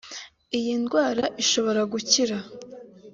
iyi ndwara ishobora gukira